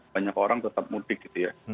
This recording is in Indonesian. banyak orang tetap mudik gitu ya